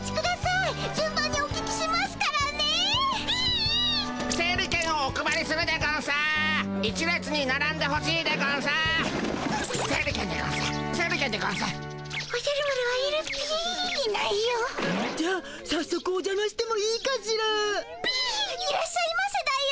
いらっしゃいませだよ。